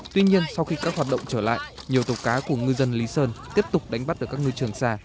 tuy nhiên sau khi các hoạt động trở lại nhiều tàu cá của ngư dân lý sơn tiếp tục đánh bắt ở các ngư trường xa